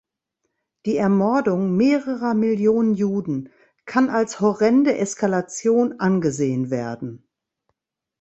Die Ermordung mehrerer Millionen Juden kann als horrende Eskalation angesehen werden.